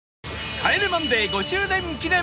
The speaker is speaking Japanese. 『帰れマンデー』５周年記念